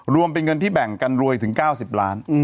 รวมเป็นเงินที่แบ่งกันรวยถึง๙๐ล้าน